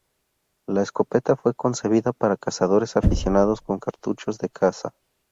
La escopeta fue concebida para cazadores aficionados con cartuchos de caza.